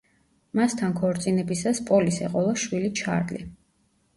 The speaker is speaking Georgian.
მასთან ქორწინებისას პოლის ეყოლა შვილი ჩარლი.